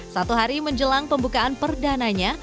satu hari menjelang pembukaan perdananya